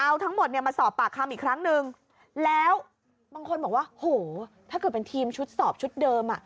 เอาทั้งหมดเนี่ยมาสอบปากคำอีกครั้งนึงแล้วบางคนบอกว่าโหถ้าเกิดเป็นทีมชุดสอบชุดเดิมอ่ะ